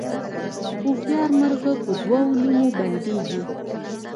هوښیار مرغه په دوو لومو بندیږي